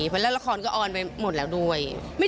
เพราะราคองก็ออนไปหมดแล้วด้วย